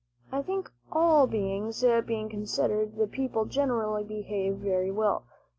I think, all things being considered, the people generally behaved very well.